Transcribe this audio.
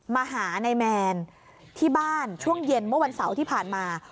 มาหานายแมนที่บ้านช่วงเย็นเมื่อวันเสาร์ที่ผ่านมา